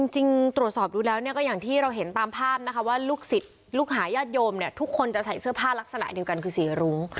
จริงตรวจสอบดูแล้วก็อย่างที่เราเห็นตามภาพนะคะว่าลูกศิษย์ลูกหาญาติโยมเนี่ยทุกคนจะใส่เสื้อผ้าลักษณะเดียวกันคือสีรุ้ง